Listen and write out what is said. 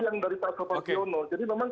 yang dari pak sobat siono oke jadi memang